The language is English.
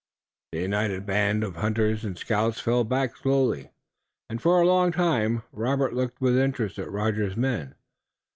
The united bands of hunters and scouts fell back slowly, and for a long time. Robert looked with interest at Rogers' men.